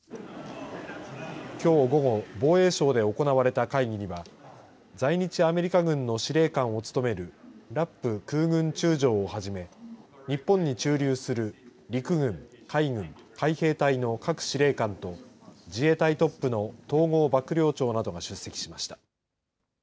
きょう午後防衛省で行われた会議には在日アメリカ軍の司令官を務めるラップ空軍中将をはじめ日本に駐留する陸軍、海軍、海兵隊の各司令官と自衛隊トップの統合幕僚長などが出席しました。